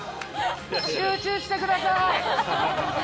集中してください！